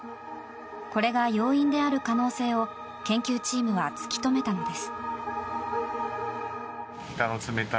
これが要因である可能性を研究チームは突き止めたのです。